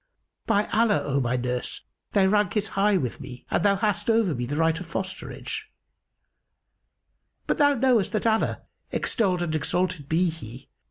By Allah, O my nurse, thy rank is high with me and thou hast over me the right of fosterage; but thou knowest that Allah (extolled and exalted be He!)